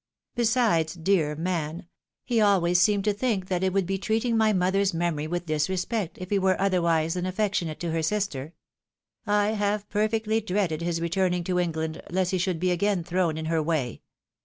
Besides, dear man ! he always seemed to think that it would be treating my mother's memory with disrespect, if he were otherwise than affectionate to her sister ; I have perfectly dreaded his returning to England, lest he should be again thrown in her way.